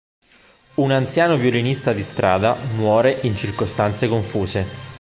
Un anziano violinista di strada muore in circostanze confuse.